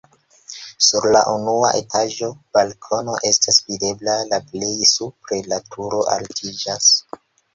Sur la unua etaĝo balkono estas videbla, la plej supre la turo altiĝas.